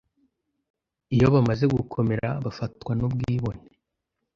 iyo bamaze gukomera bafatwa n'ubwibone